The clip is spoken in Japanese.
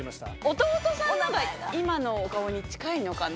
弟さんのが今のお顔に近いかな。